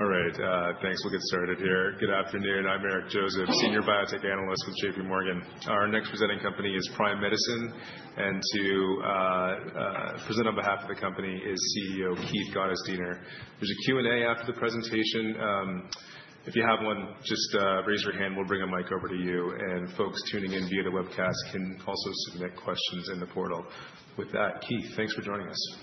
All right, thanks. We'll get started here. Good afternoon. I'm Eric Joseph, Senior Biotech Analyst with J.P. Morgan. Our next presenting company is Prime Medicine, and to present on behalf of the company is CEO Keith Gottesdiener. There's a Q&A after the presentation. If you have one, just raise your hand. We'll bring a mic over to you. And folks tuning in via the webcast can also submit questions in the portal. With that, Keith, thanks for joining us.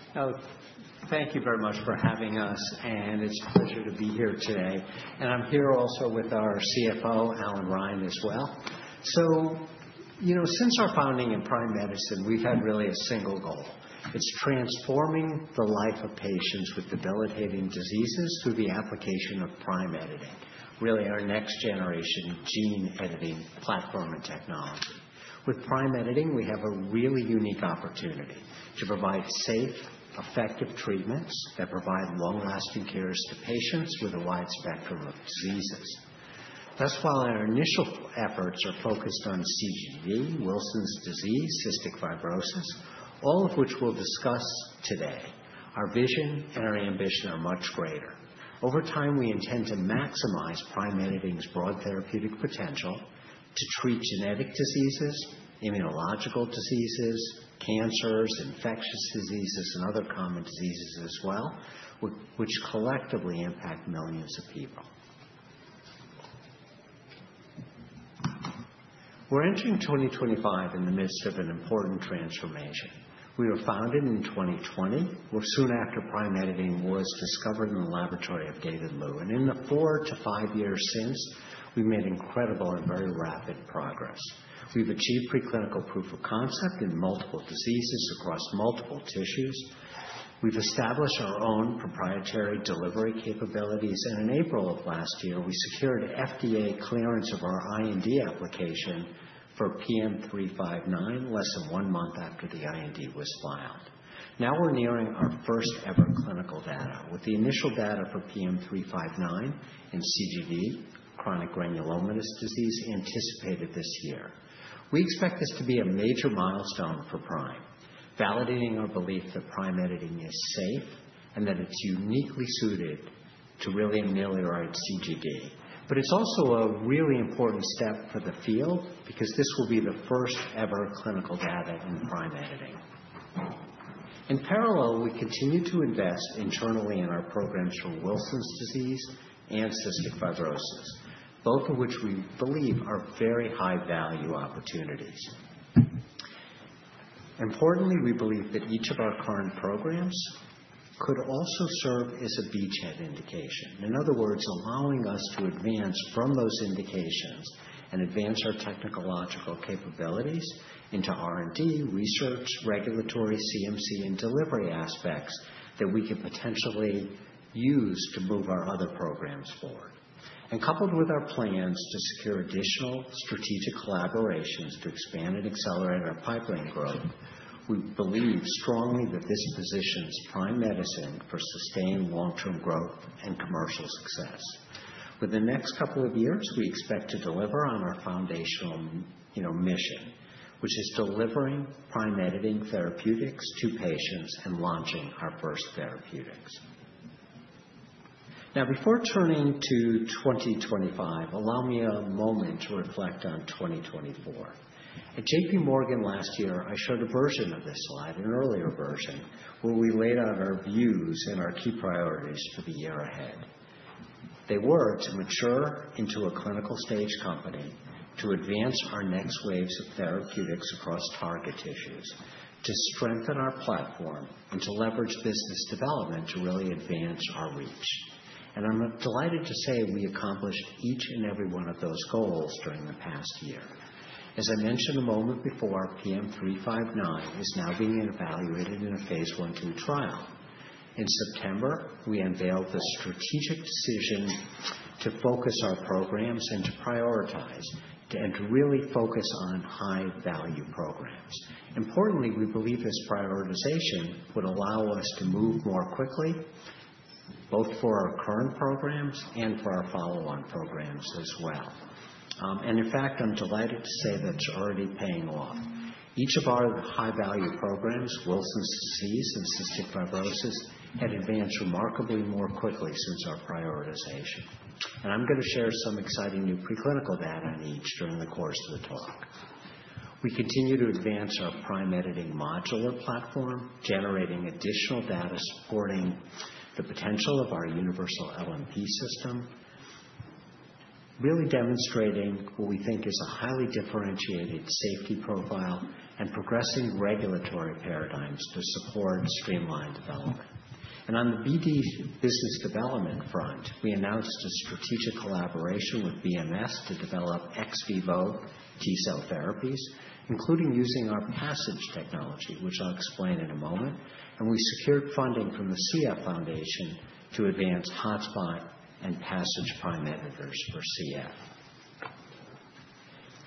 Thank you very much for having us, and it's a pleasure to be here today, and I'm here also with our CFO, Allan Reine, as well, so you know, since our founding in Prime Medicine, we've had really a single goal, it's transforming the life of patients with debilitating diseases through the application of Prime Editing, really our next-generation gene-editing platform and technology. With Prime Editing, we have a really unique opportunity to provide safe, effective treatments that provide long-lasting cures to patients with a wide spectrum of diseases. Thus, while our initial efforts are focused on CGD, Wilson's disease, cystic fibrosis, all of which we'll discuss today, our vision and our ambition are much greater. Over time, we intend to maximize Prime Editing's broad therapeutic potential to treat genetic diseases, immunological diseases, cancers, infectious diseases, and other common diseases as well, which collectively impact millions of people. We're entering 2025 in the midst of an important transformation. We were founded in 2020, well, soon after Prime Editing was discovered in the laboratory of David Liu. And in the four to five years since, we've made incredible and very rapid progress. We've achieved preclinical proof of concept in multiple diseases across multiple tissues. We've established our own proprietary delivery capabilities, and in April of last year, we secured FDA clearance of our IND application for PM359 less than one month after the IND was filed. Now we're nearing our first-ever clinical data, with the initial data for PM359 and CGD, chronic granulomatous disease, anticipated this year. We expect this to be a major milestone for Prime, validating our belief that Prime Editing is safe and that it's uniquely suited to really ameliorate CGD. But it's also a really important step for the field because this will be the first-ever clinical data in Prime Editing. In parallel, we continue to invest internally in our programs for Wilson's disease and cystic fibrosis, both of which we believe are very high-value opportunities. Importantly, we believe that each of our current programs could also serve as a beachhead indication. In other words, allowing us to advance from those indications and advance our technological capabilities into R&D, research, regulatory, CMC, and delivery aspects that we could potentially use to move our other programs forward. And coupled with our plans to secure additional strategic collaborations to expand and accelerate our pipeline growth, we believe strongly that this positions Prime Medicine for sustained long-term growth and commercial success. Within the next couple of years, we expect to deliver on our foundational mission, which is delivering Prime Editing therapeutics to patients and launching our first therapeutics. Now, before turning to 2025, allow me a moment to reflect on 2024. At J.P. Morgan last year, I showed a version of this slide, an earlier version, where we laid out our views and our key priorities for the year ahead. They were to mature into a clinical-stage company, to advance our next waves of therapeutics across target tissues, to strengthen our platform, and to leverage business development to really advance our reach. And I'm delighted to say we accomplished each and every one of those goals during the past year. As I mentioned a moment before, PM359 is now being evaluated in a Phase 1/2 trial. In September, we unveiled the strategic decision to focus our programs and to prioritize and to really focus on high-value programs. Importantly, we believe this prioritization would allow us to move more quickly, both for our current programs and for our follow-on programs as well, and in fact, I'm delighted to say that it's already paying off. Each of our high-value programs, Wilson's disease and cystic fibrosis, had advanced remarkably more quickly since our prioritization, and I'm going to share some exciting new preclinical data on each during the course of the talk. We continue to advance our Prime Editing modular platform, generating additional data supporting the potential of our universal LNP system, really demonstrating what we think is a highly differentiated safety profile and progressing regulatory paradigms to support streamlined development. On the BD business development front, we announced a strategic collaboration with BMS to develop ex vivo T-cell therapies, including using our PASSIGE technology, which I'll explain in a moment. We secured funding from the CF Foundation to advance hotspot and PASSIGE Prime Editors for CF.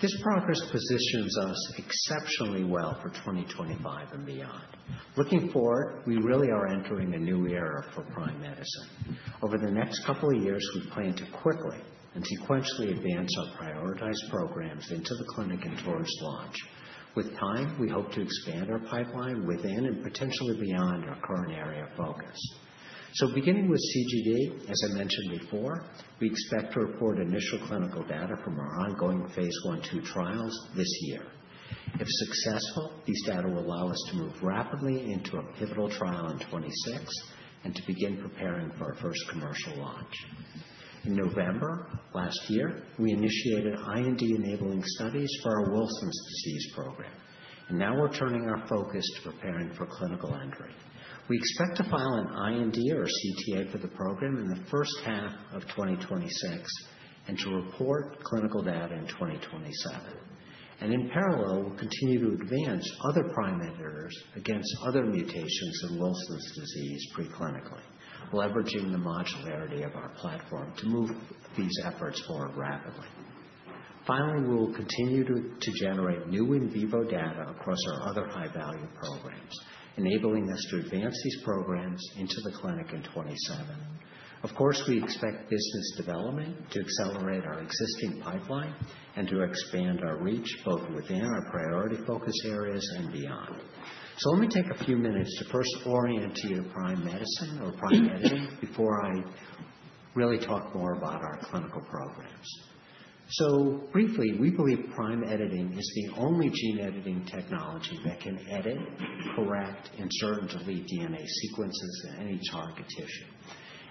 This progress positions us exceptionally well for 2025 and beyond. Looking forward, we really are entering a new era for Prime Medicine. Over the next couple of years, we plan to quickly and sequentially advance our prioritized programs into the clinic and towards launch. With time, we hope to expand our pipeline within and potentially beyond our current area of focus. Beginning with CGD, as I mentioned before, we expect to report initial clinical data from our ongoing Phase 1/2 trials this year. If successful, these data will allow us to move rapidly into a pivotal trial in 2026 and to begin preparing for our first commercial launch. In November last year, we initiated IND-enabling studies for our Wilson's disease program, and now we're turning our focus to preparing for clinical entry. We expect to file an IND or CTA for the program in the first half of 2026 and to report clinical data in 2027. And in parallel, we'll continue to advance other Prime Editors against other mutations in Wilson's disease preclinically, leveraging the modularity of our platform to move these efforts forward rapidly. Finally, we'll continue to generate new in vivo data across our other high-value programs, enabling us to advance these programs into the clinic in 2027. Of course, we expect business development to accelerate our existing pipeline and to expand our reach both within our priority focus areas and beyond. So let me take a few minutes to first orient you to Prime Medicine or Prime Editing before I really talk more about our clinical programs. So briefly, we believe Prime Editing is the only gene-editing technology that can edit, correct, and certainly delete DNA sequences in any target tissue.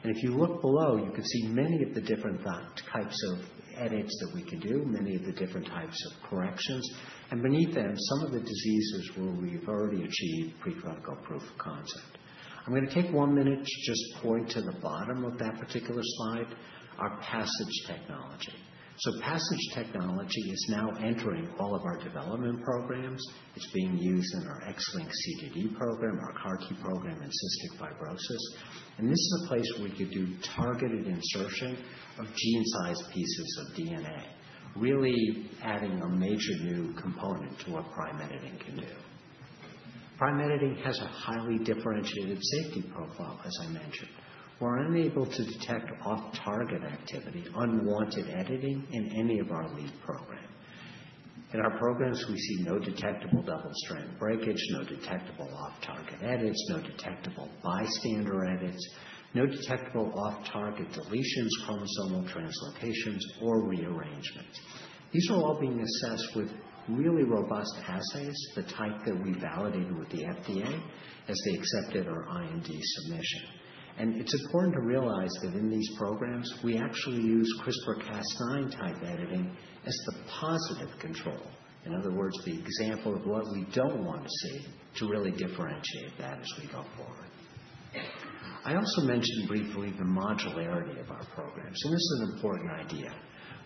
And if you look below, you can see many of the different types of edits that we can do, many of the different types of corrections. And beneath them, some of the diseases where we've already achieved preclinical proof of concept. I'm going to take one minute to just point to the bottom of that particular slide, our PASSIGE technology. So PASSIGE technology is now entering all of our development programs. It's being used in our X-linked CGD program, our CAR-T program in cystic fibrosis, and this is a place where we could do targeted insertion of gene-sized pieces of DNA, really adding a major new component to what Prime Editing can do. Prime Editing has a highly differentiated safety profile, as I mentioned. We're unable to detect off-target activity, unwanted editing in any of our lead program. In our programs, we see no detectable double-strand breakage, no detectable off-target edits, no detectable bystander edits, no detectable off-target deletions, chromosomal translocations, or rearrangements. These are all being assessed with really robust assays, the type that we validated with the FDA as they accepted our IND submission, and it's important to realize that in these programs, we actually use CRISPR-Cas9 type editing as the positive control. In other words, the example of what we don't want to see to really differentiate that as we go forward. I also mentioned briefly the modularity of our programs, and this is an important idea.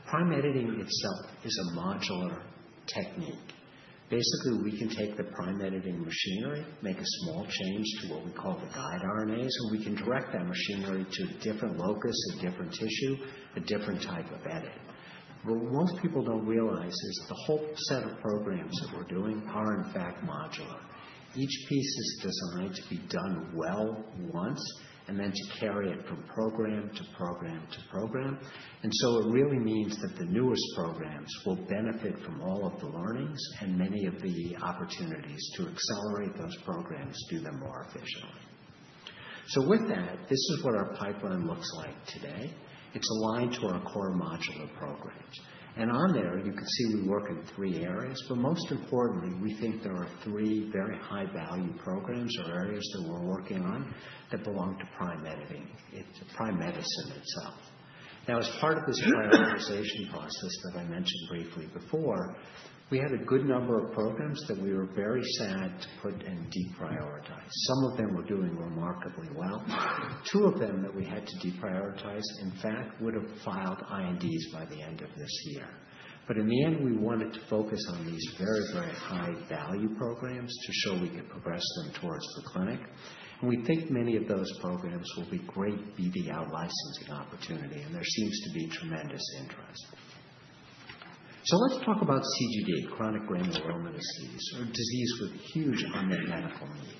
Prime Editing itself is a modular technique. Basically, we can take the Prime Editing machinery, make a small change to what we call the guide RNAs, and we can direct that machinery to a different locus, a different tissue, a different type of edit. But what most people don't realize is the whole set of programs that we're doing are, in fact, modular. Each piece is designed to be done well once and then to carry it from program to program to program. And so it really means that the newest programs will benefit from all of the learnings and many of the opportunities to accelerate those programs, do them more efficiently. So with that, this is what our pipeline looks like today. It's aligned to our core modular programs. And on there, you can see we work in three areas, but most importantly, we think there are three very high-value programs or areas that we're working on that belong to Prime Editing, Prime Medicine itself. Now, as part of this prioritization process that I mentioned briefly before, we had a good number of programs that we were very sad to put and deprioritize. Some of them were doing remarkably well. Two of them that we had to deprioritize, in fact, would have filed INDs by the end of this year. But in the end, we wanted to focus on these very, very high-value programs to show we could progress them towards the clinic. And we think many of those programs will be great BDL licensing opportunity, and there seems to be tremendous interest. So let's talk about CGD, chronic granulomatous disease, a disease with huge unmet medical need.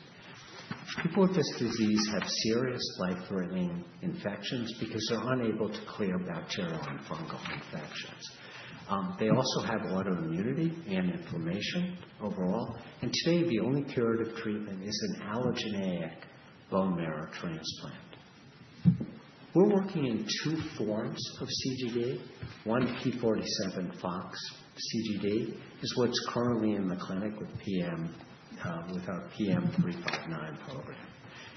People with this disease have serious life-threatening infections because they're unable to clear bacterial and fungal infections. They also have autoimmunity and inflammation overall. And today, the only curative treatment is an allogeneic bone marrow transplant. We're working in two forms of CGD. One p47-phox CGD is what's currently in the clinic with our PM359 program.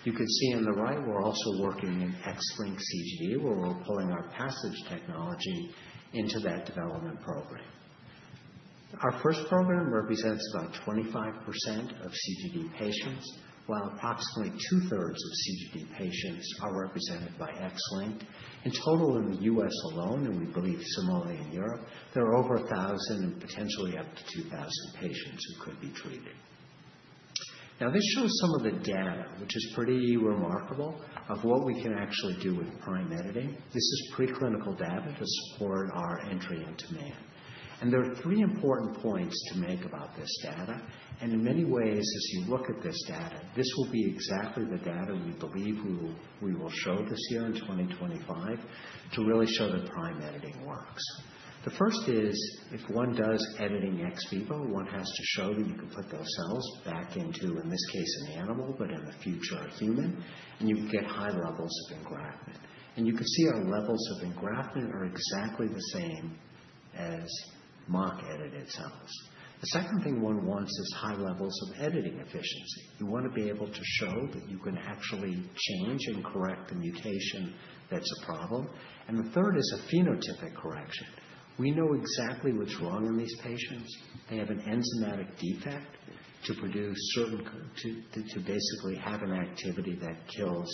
You can see on the right, we're also working in X-linked CGD, where we're pulling our PASSIGE technology into that development program. Our first program represents about 25% of CGD patients, while approximately two-thirds of CGD patients are represented by X-linked. In total, in the U.S. alone, and we believe similarly in Europe, there are over 1,000 and potentially up to 2,000 patients who could be treated. Now, this shows some of the data, which is pretty remarkable, of what we can actually do with Prime Editing. This is preclinical data to support our entry into IND. And there are three important points to make about this data, and in many ways, as you look at this data, this will be exactly the data we believe we will show this year in 2025 to really show that Prime Editing works. The first is, if one does editing ex vivo, one has to show that you can put those cells back into, in this case, an animal, but in the future, a human, and you can get high levels of engraftment. You can see our levels of engraftment are exactly the same as mock-edited cells. The second thing one wants is high levels of editing efficiency. You want to be able to show that you can actually change and correct the mutation that's a problem. The third is a phenotypic correction. We know exactly what's wrong in these patients. They have an enzymatic defect to produce certain to basically have an activity that kills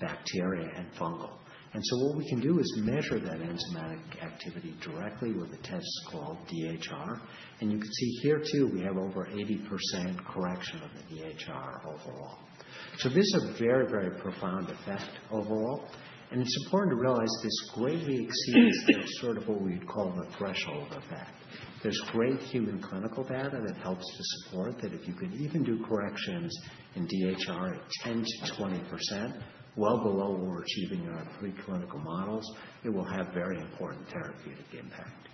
bacteria and fungal. What we can do is measure that enzymatic activity directly with a test called DHR. You can see here too, we have over 80% correction of the DHR overall. This is a very, very profound effect overall. It's important to realize this greatly exceeds sort of what we would call the threshold effect. There's great human clinical data that helps to support that if you can even do corrections in DHR at 10%-20%, well below or achieving our preclinical models, it will have very important therapeutic impact.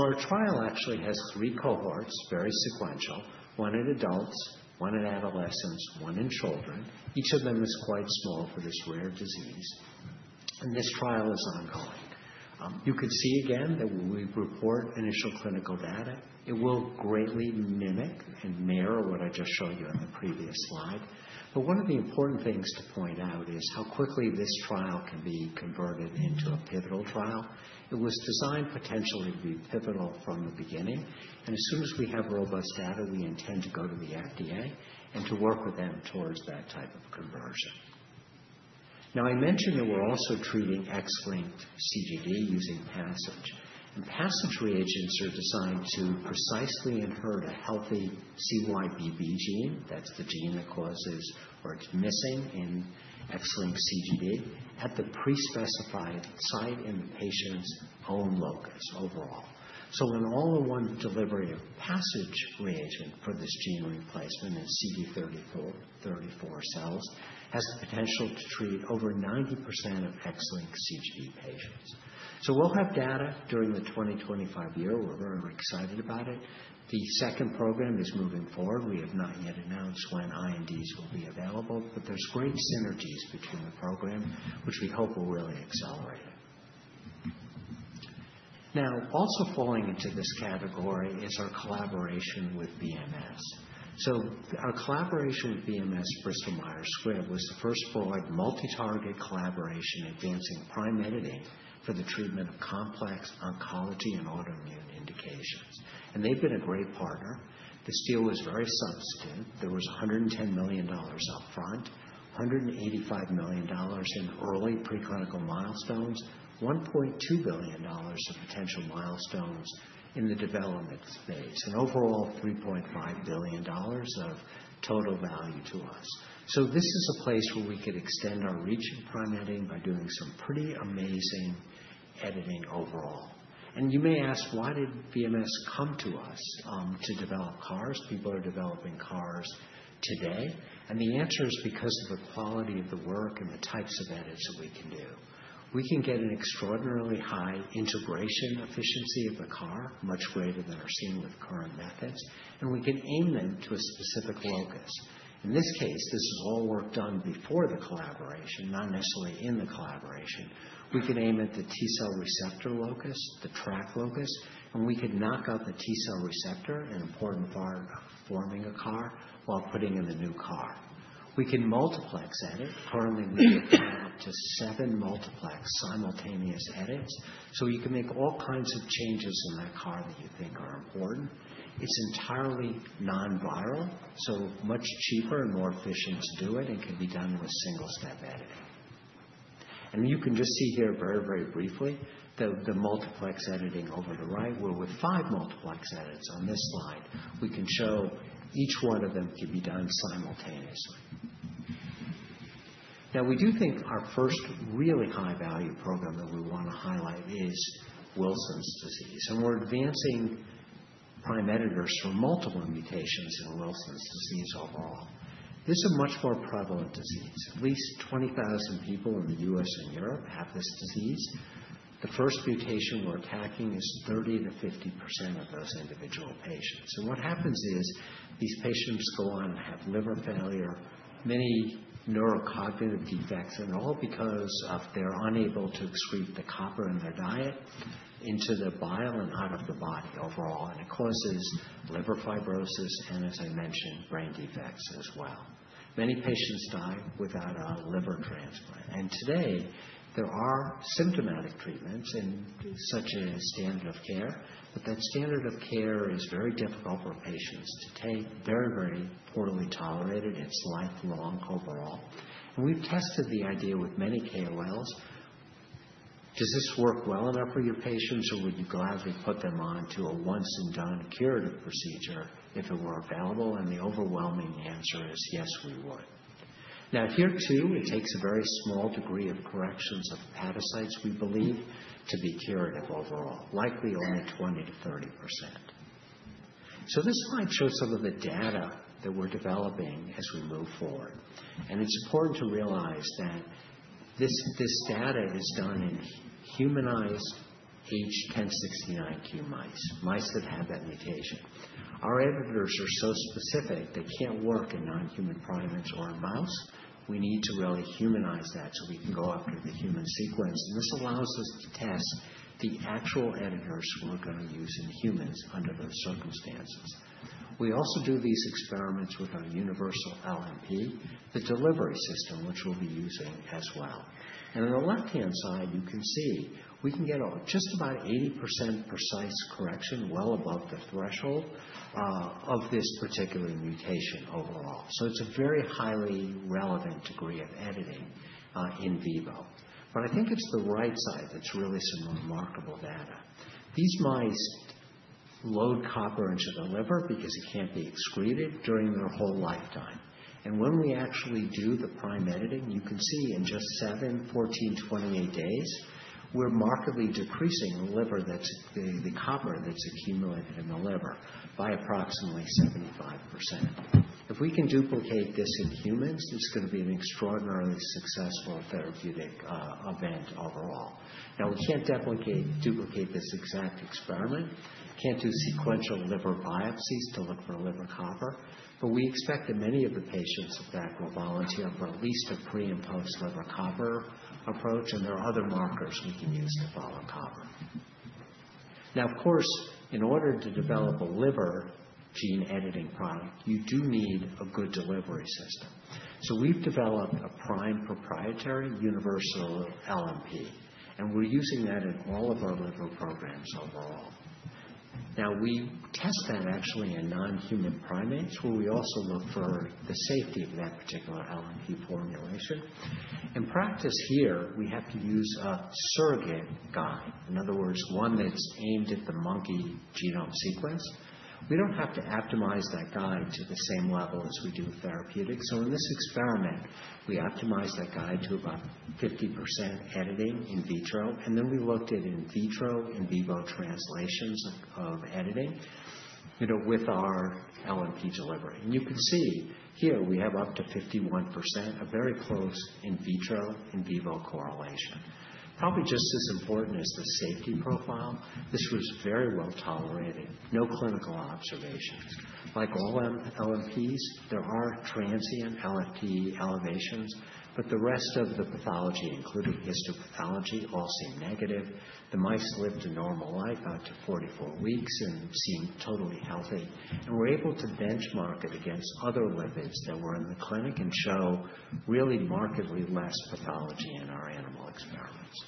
Our trial actually has three cohorts, very sequential, one in adults, one in adolescents, one in children. Each of them is quite small for this rare disease. This trial is ongoing. You can see again that when we report initial clinical data, it will greatly mimic and mirror what I just showed you on the previous slide. One of the important things to point out is how quickly this trial can be converted into a pivotal trial. It was designed potentially to be pivotal from the beginning. As soon as we have robust data, we intend to go to the FDA and to work with them towards that type of conversion. Now, I mentioned that we're also treating X-linked CGD using PASSIGE. And PASSIGE reagents are designed to precisely insert a healthy CYBB gene. That's the gene that causes or it's missing in X-linked CGD at the prespecified site in the patient's own locus overall. So, an all-in-one delivery of PASSIGE reagent for this gene replacement in CD34 cells has the potential to treat over 90% of X-linked CGD patients. So we'll have data during the 2025 year. We're very excited about it. The second program is moving forward. We have not yet announced when INDs will be available, but there's great synergies between the program, which we hope will really accelerate it. Now, also falling into this category is our collaboration with BMS. So our collaboration with BMS, Bristol Myers Squibb was the first broad multi-target collaboration advancing Prime Editing for the treatment of complex oncology and autoimmune indications. And they've been a great partner. The deal was very substantive. There was $110 million upfront, $185 million in early preclinical milestones, $1.2 billion of potential milestones in the development phase, and overall $3.5 billion of total value to us. So this is a place where we could extend our reach of Prime Editing by doing some pretty amazing editing overall. And you may ask, why did BMS come to us to develop CARs? People are developing CARs today. And the answer is because of the quality of the work and the types of edits that we can do. We can get an extraordinarily high integration efficiency of the car, much greater than we're seeing with current methods, and we can aim them to a specific locus. In this case, this is all work done before the collaboration, not necessarily in the collaboration. We can aim at the T-cell receptor locus, the TRAC locus, and we could knock out the T-cell receptor, an important part of forming a car, while putting in the new car. We can multiplex edit. Currently, we have up to seven multiplex simultaneous edits, so you can make all kinds of changes in that car that you think are important. It's entirely non-viral, so much cheaper and more efficient to do it and can be done with single-step editing, and you can just see here very, very briefly the multiplex editing on the right. We have five multiplex edits on this slide. We can show each one of them can be done simultaneously. Now, we do think our first really high-value program that we want to highlight is Wilson's disease, and we're advancing Prime Editors for multiple mutations in Wilson's disease overall. This is a much more prevalent disease. At least 20,000 people in the U.S. and Europe have this disease. The first mutation we're attacking is 30%-50% of those individual patients, and what happens is these patients go on and have liver failure, many neurocognitive defects, and all because of they're unable to excrete the copper in their diet into the bile and out of the body overall, and it causes liver fibrosis and, as I mentioned, brain defects as well. Many patients die without a liver transplant. And today, there are symptomatic treatments such as standard of care, but that standard of care is very difficult for patients to take, very, very poorly tolerated. It's lifelong overall. And we've tested the idea with many KOLs. Does this work well enough for your patients, or would you gladly put them onto a once-and-done curative procedure if it were available? And the overwhelming answer is yes, we would. Now, here too, it takes a very small degree of corrections of hepatocytes, we believe, to be curative overall, likely only 20%-30%. So this slide shows some of the data that we're developing as we move forward. And it's important to realize that this data is done in humanized H1069Q mice, mice that have that mutation. Our editors are so specific, they can't work in non-human primates or in mouse. We need to really humanize that so we can go after the human sequence. And this allows us to test the actual editors we're going to use in humans under those circumstances. We also do these experiments with our universal LNP, the delivery system, which we'll be using as well. And on the left-hand side, you can see we can get just about 80% precise correction, well above the threshold of this particular mutation overall. So it's a very highly relevant degree of editing in vivo. But I think it's the right side that's really some remarkable data. These mice load copper into the liver because it can't be excreted during their whole lifetime. And when we actually do the Prime Editing, you can see in just seven, 14, 28 days, we're markedly decreasing the copper that's accumulated in the liver by approximately 75%. If we can duplicate this in humans, it's going to be an extraordinarily successful therapeutic event overall. Now, we can't duplicate this exact experiment. We can't do sequential liver biopsies to look for liver copper. But we expect that many of the patients that will volunteer for at least a pre- and post-liver copper approach, and there are other markers we can use to follow copper. Now, of course, in order to develop a liver gene editing product, you do need a good delivery system. So we've developed a Prime proprietary universal LNP, and we're using that in all of our liver programs overall. Now, we test that actually in non-human primates, where we also look for the safety of that particular LNP formulation. In practice here, we have to use a surrogate guide. In other words, one that's aimed at the monkey genome sequence. We don't have to optimize that guide to the same level as we do therapeutics, so in this experiment, we optimized that guide to about 50% editing in vitro, and then we looked at in vitro in vivo translations of editing with our LNP delivery, and you can see here we have up to 51%, a very close in vitro in vivo correlation. Probably just as important as the safety profile, this was very well tolerated. No clinical observations. Like all LNPs, there are transient LFT elevations, but the rest of the pathology, including histopathology, all seemed negative. The mice lived a normal life out to 44 weeks and seemed totally healthy, and we're able to benchmark it against other lipids that were in the clinic and show really markedly less pathology in our animal experiments.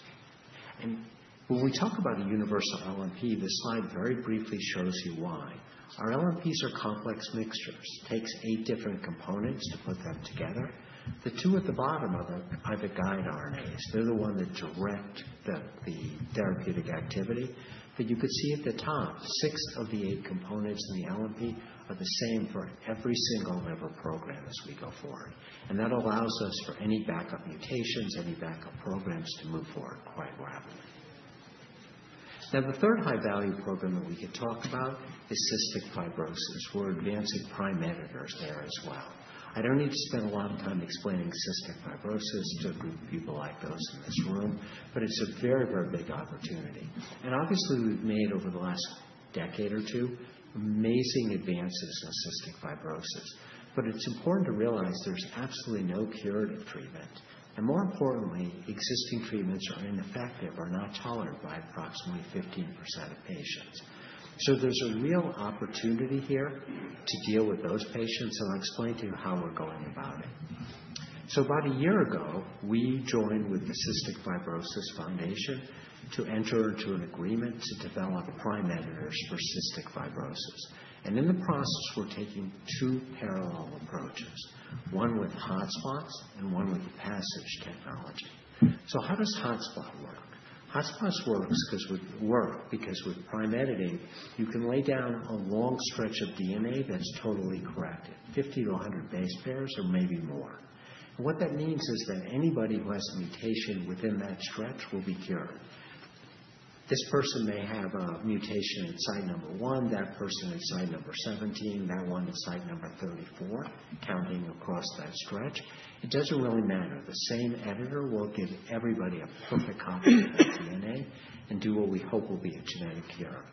When we talk about a universal LNP, this slide very briefly shows you why. Our LNPs are complex mixtures. It takes eight different components to put them together. The two at the bottom are the private guide RNAs. They're the ones that direct the therapeutic activity. But you can see at the top, six of the eight components in the LNP are the same for every single liver program as we go forward. And that allows us for any backup mutations, any backup programs to move forward quite rapidly. Now, the third high-value program that we could talk about is cystic fibrosis. We're advancing Prime Editors there as well. I don't need to spend a lot of time explaining cystic fibrosis to people like those in this room, but it's a very, very big opportunity. And obviously, we've made over the last decade or two amazing advances in cystic fibrosis. But it's important to realize there's absolutely no curative treatment. And more importantly, existing treatments are ineffective, are not tolerated by approximately 15% of patients. So there's a real opportunity here to deal with those patients, and I'll explain to you how we're going about it. So about a year ago, we joined with the Cystic Fibrosis Foundation to enter into an agreement to develop Prime Editors for cystic fibrosis. And in the process, we're taking two parallel approaches, one with hotspots and one with the PASSIGE technology. So how does hotspot work? Hotspots work because with Prime Editing, you can lay down a long stretch of DNA that's totally corrected, 50-100 base pairs or maybe more. And what that means is that anybody who has a mutation within that stretch will be cured. This person may have a mutation at site number one, that person at site number 17, that one at site number 34, counting across that stretch. It doesn't really matter. The same editor will give everybody a perfect copy of that DNA and do what we hope will be a genetic cure.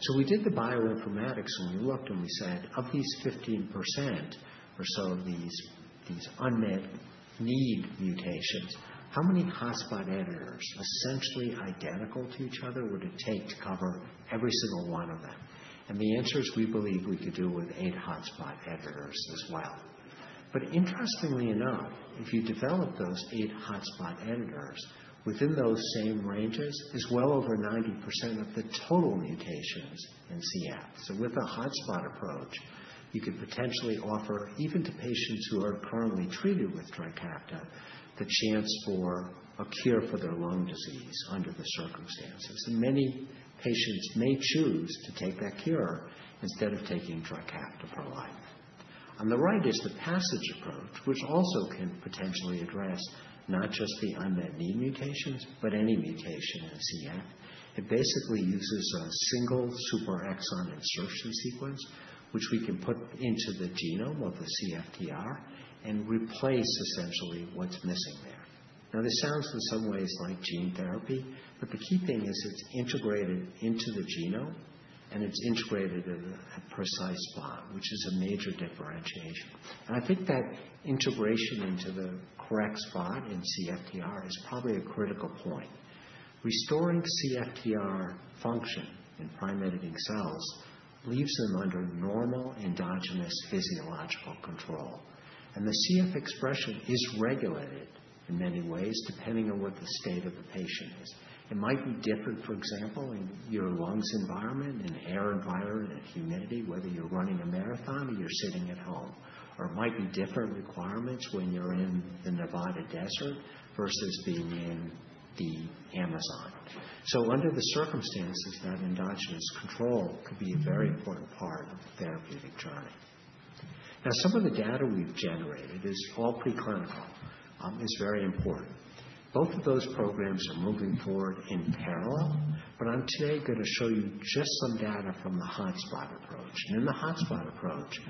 So we did the bioinformatics, and we looked and we said, of these 15% or so of these unmet need mutations, how many hotspot editors essentially identical to each other would it take to cover every single one of them? And the answer is we believe we could do with eight hotspot editors as well. But interestingly enough, if you develop those eight hotspot editors within those same ranges, it's well over 90% of the total mutations in CF. With a hotspot approach, you could potentially offer, even to patients who are currently treated with Trikafta, the chance for a cure for their lung disease under the circumstances. Many patients may choose to take that cure instead of taking Trikafta for life. On the right is the PASSIGE approach, which also can potentially address not just the unmet need mutations, but any mutation in CF. It basically uses a single super-exon insertion sequence, which we can put into the genome of the CFTR and replace essentially what's missing there. Now, this sounds in some ways like gene therapy, but the key thing is it's integrated into the genome, and it's integrated in a precise spot, which is a major differentiation. I think that integration into the correct spot in CFTR is probably a critical point. Restoring CFTR function in Prime Editing cells leaves them under normal endogenous physiological control, and the CFTR expression is regulated in many ways depending on what the state of the patient is. It might be different, for example, in your lungs environment, in air environment, in humidity, whether you're running a marathon or you're sitting at home, or it might be different requirements when you're in the Nevada desert versus being in the Amazon, so under the circumstances, that endogenous control could be a very important part of the therapeutic journey. Now, some of the data we've generated is all preclinical. It's very important. Both of those programs are moving forward in parallel, but I'm today going to show you just some data from the hotspot approach, and in the hotspot approach,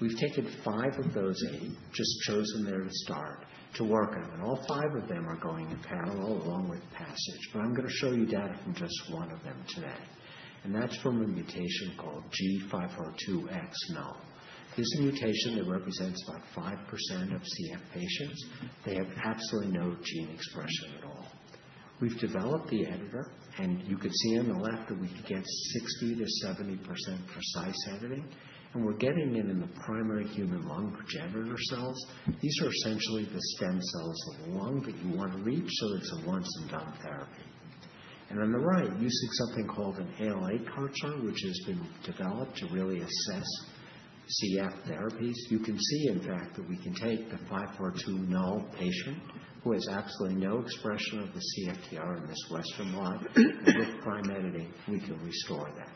we've taken five of those eight, just chosen there to start, to work on. And all five of them are going in parallel along with PASSIGE. But I'm going to show you data from just one of them today. And that's from a mutation called G542X. This mutation, it represents about 5% of CF patients. They have absolutely no gene expression at all. We've developed the editor, and you could see on the left that we could get 60%-70% precise editing. And we're getting it in the primary human lung progenitor cells. These are essentially the stem cells of the lung that you want to reach, so it's a once-and-done therapy. And on the right, using something called an ALI culture, which has been developed to really assess CF therapies. You can see, in fact, that we can take the G542X patient who has absolutely no expression of the CFTR in this western blot, and with Prime Editing, we can restore that.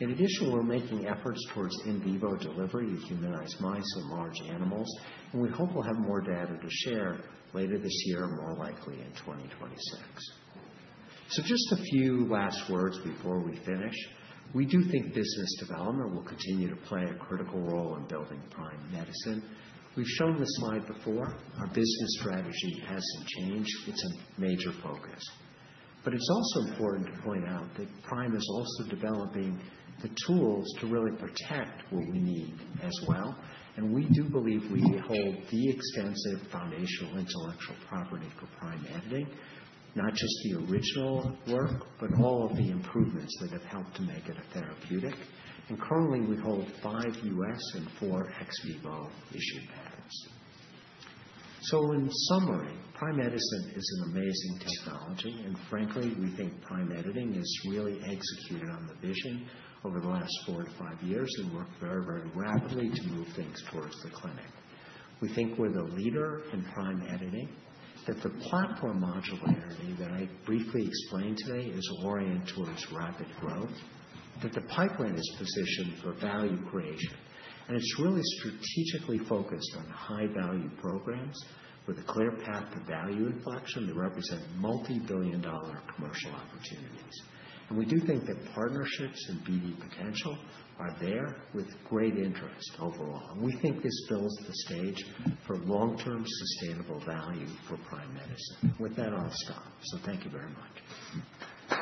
In addition, we're making efforts towards in vivo delivery of humanized mice in large animals, and we hope we'll have more data to share later this year, more likely in 2026, so just a few last words before we finish. We do think business development will continue to play a critical role in building Prime Medicine. We've shown this slide before. Our business strategy hasn't changed. It's a major focus, but it's also important to point out that Prime is also developing the tools to really protect what we need as well. And we do believe we hold the extensive foundational intellectual property for Prime Editing, not just the original work, but all of the improvements that have helped to make it a therapeutic, and currently, we hold five U.S. and four ex vivo issued patents. So in summary, Prime Medicine is an amazing technology, and frankly, we think Prime Editing has really executed on the vision over the last four to five years and worked very, very rapidly to move things towards the clinic. We think we're the leader in Prime Editing, that the platform modularity that I briefly explained today is oriented towards rapid growth, that the pipeline is positioned for value creation. And it's really strategically focused on high-value programs with a clear path to value inflection that represent multi-billion-dollar commercial opportunities. And we do think that partnerships and BD potential are there with great interest overall. And we think this builds the stage for long-term sustainable value for Prime Medicine. With that, I'll stop. So thank you very much.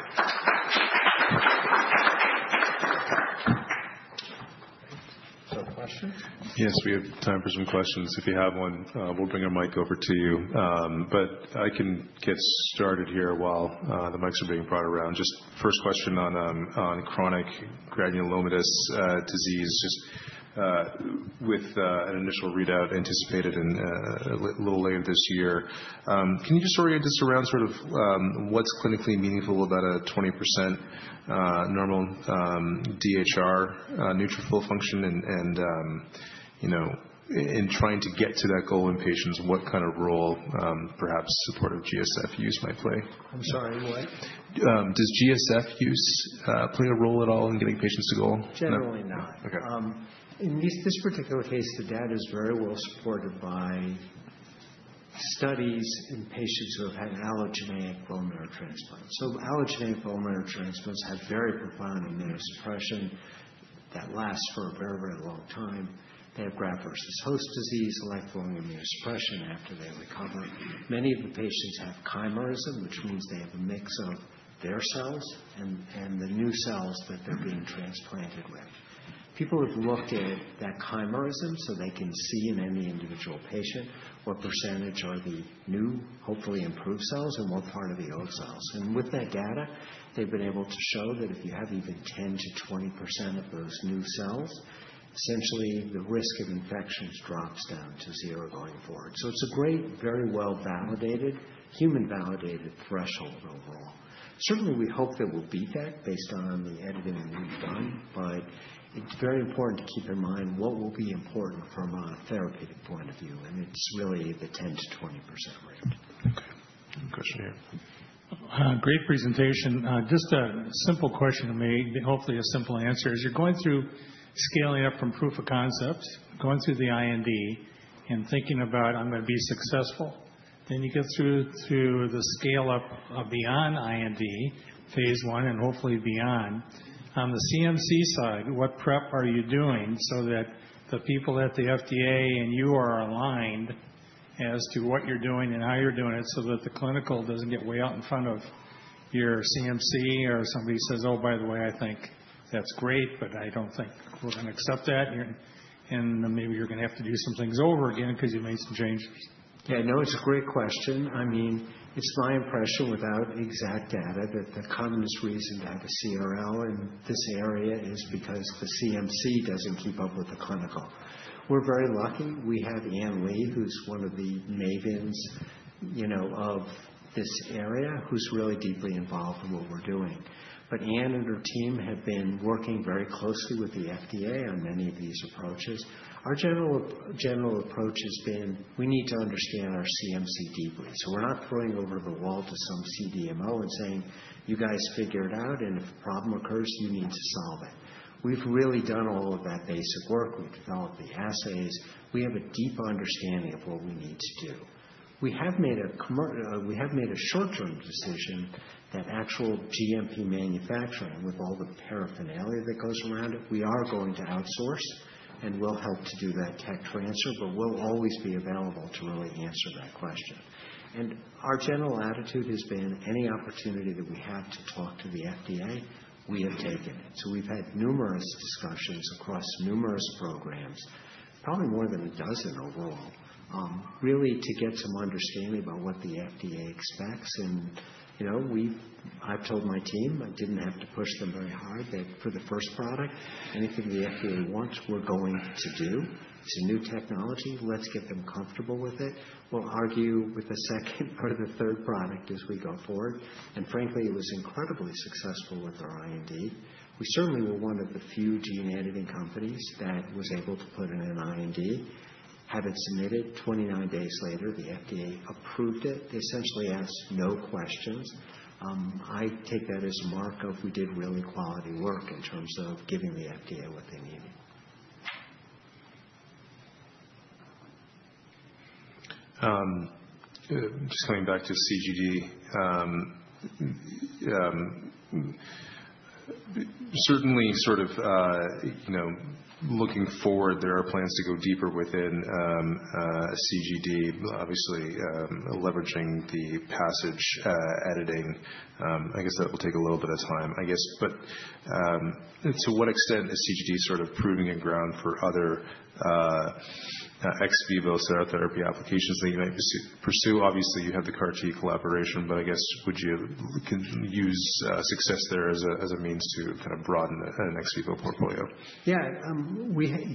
Any other questions? Yes, we have time for some questions. If you have one, we'll bring our mic over to you. I can get started here while the mics are being brought around. Just first question on chronic granulomatous disease, just with an initial readout anticipated a little later this year. Can you just orient us around sort of what's clinically meaningful about a 20% normal DHR neutrophil function? And in trying to get to that goal in patients, what kind of role perhaps supportive G-CSF use might play? I'm sorry, what? Does G-CSF use play a role at all in getting patients to goal? Generally not. In this particular case, the data is very well supported by studies in patients who have had allogeneic bone marrow transplants. Allogeneic bone marrow transplants have very profound immunosuppression that lasts for a very, very long time. They have graft versus host disease, lifelong immunosuppression after they recover. Many of the patients have chimerism, which means they have a mix of their cells and the new cells that they're being transplanted with. People have looked at that chimerism so they can see in any individual patient what percentage are the new, hopefully improved cells and what part of the old cells. And with that data, they've been able to show that if you have even 10%-20% of those new cells, essentially the risk of infections drops down to zero going forward. So it's a great, very well-validated, human-validated threshold overall. Certainly, we hope that we'll beat that based on the editing we've done, but it's very important to keep in mind what will be important from a therapeutic point of view. And it's really the 10%-20% rate. Okay. Any question here? Great presentation. Just a simple question to me, hopefully a simple answer. As you're going through scaling up from proof of concept, going through the IND and thinking about, "I'm going to be successful," then you get through the scale-up beyond IND, phase one, and hopefully beyond. On the CMC side, what prep are you doing so that the people at the FDA and you are aligned as to what you're doing and how you're doing it so that the clinical doesn't get way out in front of your CMC or somebody says, "Oh, by the way, I think that's great, but I don't think we're going to accept that." And then maybe you're going to have to do some things over again because you made some changes. Yeah, no, it's a great question. I mean, it's my impression without exact data that the commonest reason to have a CRL in this area is because the CMC doesn't keep up with the clinical. We're very lucky. We have Ann Lee, who's one of the mavens of this area, who's really deeply involved in what we're doing. But Anne and her team have been working very closely with the FDA on many of these approaches. Our general approach has been, "We need to understand our CMC deeply." So we're not throwing over the wall to some CDMO and saying, "You guys figure it out, and if a problem occurs, you need to solve it." We've really done all of that basic work. We've developed the assays. We have a deep understanding of what we need to do. We have made a short-term decision that actual GMP manufacturing with all the paraphernalia that goes around it, we are going to outsource, and we'll help to do that tech transfer, but we'll always be available to really answer that question, and our general attitude has been, "Any opportunity that we have to talk to the FDA, we have taken it," so we've had numerous discussions across numerous programs, probably more than a dozen overall, really to get some understanding about what the FDA expects, and I've told my team, I didn't have to push them very hard, that for the first product, anything the FDA wants, we're going to do. It's a new technology. Let's get them comfortable with it, we'll argue with the second or the third product as we go forward, and frankly, it was incredibly successful with our IND. We certainly were one of the few gene editing companies that was able to put in an IND, have it submitted. 29 days later, the FDA approved it. They essentially asked no questions. I take that as a mark that we did really quality work in terms of giving the FDA what they needed. Just coming back to CGD, certainly sort of looking forward, there are plans to go deeper within CGD, obviously leveraging the PASSIGE. I guess that will take a little bit of time, I guess. But to what extent is CGD sort of proving ground for other ex vivo cell therapy applications that you might pursue? Obviously, you have the CAR-T collaboration, but I guess, would you use success there as a means to kind of broaden an ex vivo portfolio? Yeah.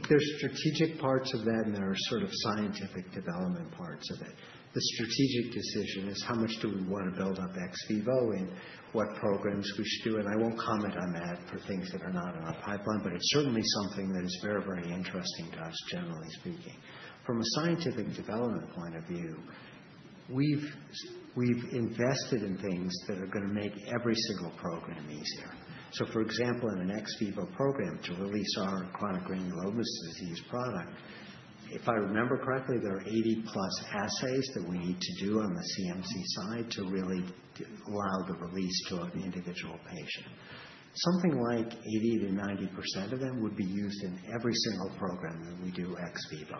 There's strategic parts of that, and there are sort of scientific development parts of it. The strategic decision is how much do we want to build up ex vivo and what programs we should do. And I won't comment on that for things that are not in our pipeline, but it's certainly something that is very, very interesting to us, generally speaking. From a scientific development point of view, we've invested in things that are going to make every single program easier. So for example, in an ex vivo program to release our chronic granulomatous disease product, if I remember correctly, there are 80-plus assays that we need to do on the CMC side to really allow the release to an individual patient. Something like 80%-90% of them would be used in every single program that we do ex vivo.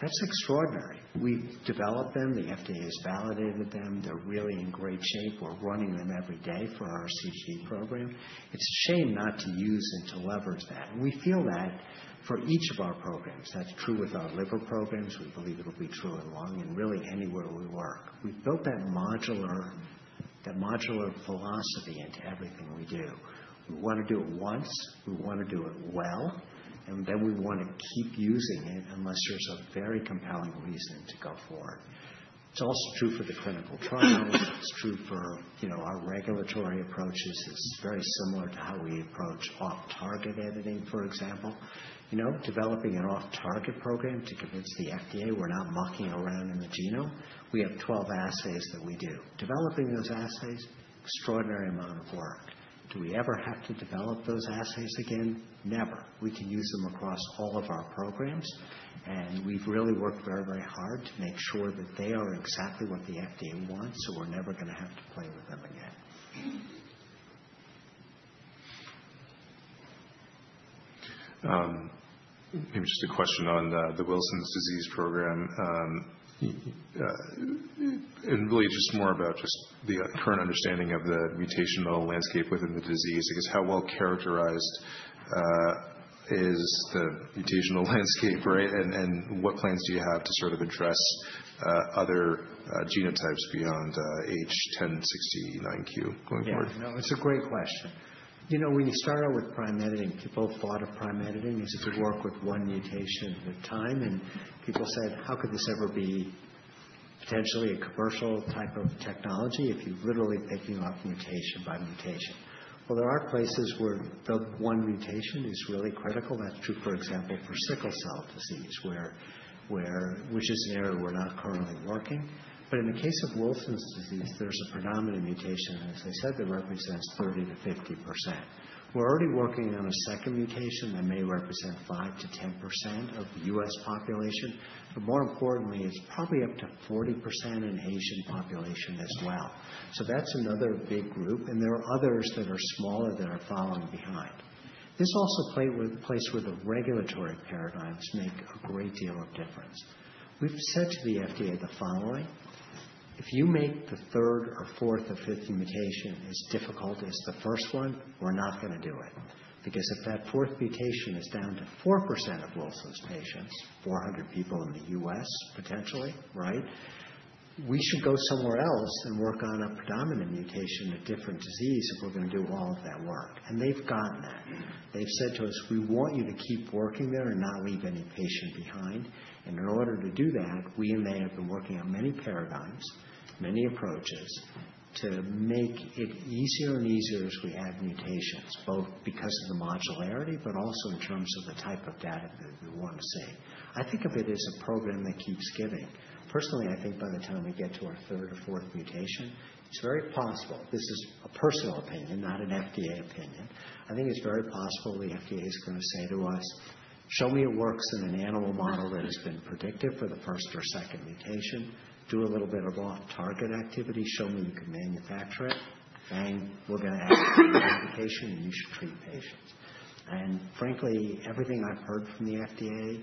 That's extraordinary. We've developed them. The FDA has validated them. They're really in great shape. We're running them every day for our CGD program. It's a shame not to use and to leverage that, and we feel that for each of our programs. That's true with our liver programs. We believe it'll be true in lung and really anywhere we work. We've built that modular philosophy into everything we do. We want to do it once. We want to do it well, and then we want to keep using it unless there's a very compelling reason to go forward. It's also true for the clinical trials. It's true for our regulatory approaches. It's very similar to how we approach off-target editing, for example. Developing an off-target program to convince the FDA we're not mucking around in the genome. We have 12 assays that we do. Developing those assays, extraordinary amount of work. Do we ever have to develop those assays again? Never. We can use them across all of our programs. And we've really worked very, very hard to make sure that they are exactly what the FDA wants, so we're never going to have to play with them again. Maybe just a question on the Wilson's Disease Program. And really just more about just the current understanding of the mutational landscape within the disease. I guess, how well characterized is the mutational landscape, right? And what plans do you have to sort of address other genotypes beyond H1069Q going forward? Yeah. No, it's a great question. When you start out with Prime Editing, people thought of Prime Editing as if you work with one mutation at a time. And people said, "How could this ever be potentially a commercial type of technology if you're literally picking off mutation by mutation?" Well, there are places where the one mutation is really critical. That's true, for example, for sickle cell disease, which is an area we're not currently working. But in the case of Wilson's disease, there's a predominant mutation, and as I said, that represents 30%-50%. We're already working on a second mutation that may represent 5%-10% of the U.S. population. But more importantly, it's probably up to 40% in the Asian population as well. So that's another big group. And there are others that are smaller that are following behind. This also plays with the regulatory paradigms that make a great deal of difference. We've said to the FDA the following, "If you make the third or fourth or fifth mutation as difficult as the first one, we're not going to do it." Because if that fourth mutation is down to 4% of Wilson's patients, 400 people in the U.S., potentially, right, we should go somewhere else and work on a predominant mutation in a different disease if we're going to do all of that work. And they've gotten that. They've said to us, "We want you to keep working there and not leave any patient behind." And in order to do that, we may have been working on many paradigms, many approaches to make it easier and easier as we add mutations, both because of the modularity but also in terms of the type of data that we want to see. I think of it as a program that keeps giving. Personally, I think by the time we get to our third or fourth mutation, it's very possible (this is a personal opinion, not an FDA opinion) I think it's very possible the FDA is going to say to us, "Show me it works in an animal model that has been predictive for the first or second mutation. Do a little bit of off-target activity. Show me you can manufacture it. Bang. We're going to add to the medication, and you should treat patients." And frankly, everything I've heard from the FDA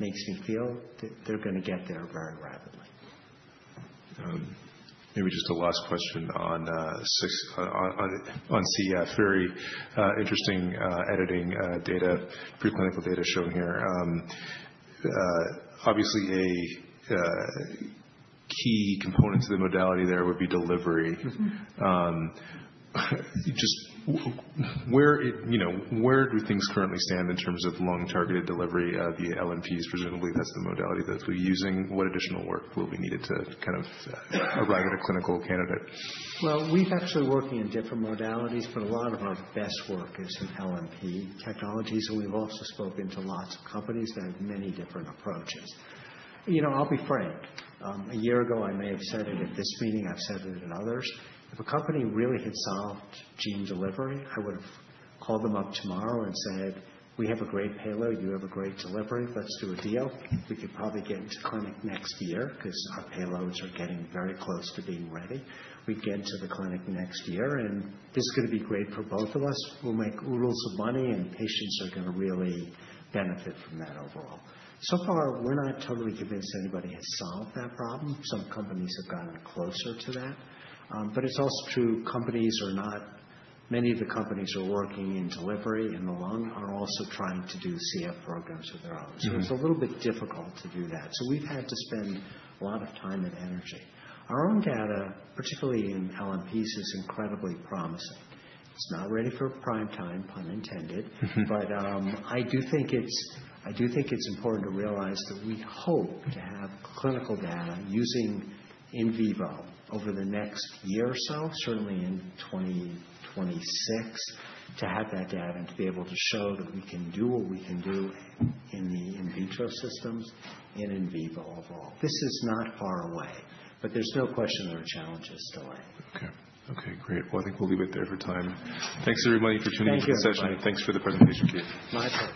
makes me feel that they're going to get there very rapidly. Maybe just a last question on CF, very interesting editing data, preclinical data shown here. Obviously, a key component to the modality there would be delivery. Just where do things currently stand in terms of lung-targeted delivery of the LNPs? Presumably, that's the modality that they'll be using. What additional work will be needed to kind of arrive at a clinical candidate? Well, we've actually worked in different modalities, but a lot of our best work is in LNP technologies. And we've also spoken to lots of companies that have many different approaches. I'll be frank. A year ago, I may have said it at this meeting. I've said it at others. If a company really had solved gene delivery, I would have called them up tomorrow and said, "We have a great payload. You have a great delivery. Let's do a deal." We could probably get into clinic next year because our payloads are getting very close to being ready. We'd get into the clinic next year, and this is going to be great for both of us. We'll make oodles of money, and patients are going to really benefit from that overall. So far, we're not totally convinced anybody has solved that problem. Some companies have gotten closer to that. But it's also true many of the companies are working in delivery in the lung are also trying to do CF programs of their own. So it's a little bit difficult to do that. So we've had to spend a lot of time and energy. Our own data, particularly in LNPs, is incredibly promising. It's not ready for prime time, pun intended. But I do think it's important to realize that we hope to have clinical data using in vivo over the next year or so, certainly in 2026, to have that data and to be able to show that we can do what we can do in the in vitro systems and in vivo of all. This is not far away, but there's no question there are challenges still ahead. Okay. Okay. Great. Well, I think we'll leave it there for time. Thanks, everybody, for tuning into the session. Thank you. And thanks for the presentation, Keith. My pleasure.